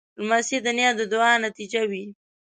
لمسی د نیا د دعا نتیجه وي.